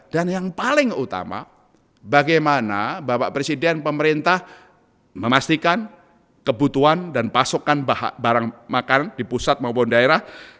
dan yang paling utama bagaimana bapak presiden pemerintah memastikan kebutuhan dan pasokan barang makan di pusat maupun daerah